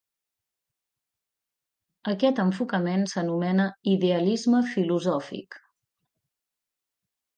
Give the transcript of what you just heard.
Aquest enfocament s'anomena idealisme filosòfic.